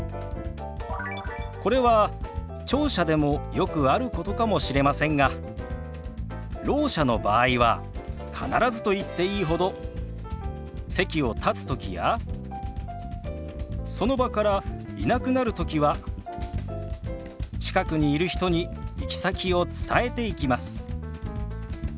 これは聴者でもよくあることかもしれませんがろう者の場合は必ずと言っていいほど席を立つときやその場からいなくなるときは近くにいる人に行き先を伝えていきます。